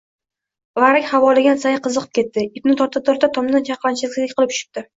Varrak havolagan sayin qiziqib ketib ipni torta-torta tomdan chalqanchasiga yiqilib tushibdi.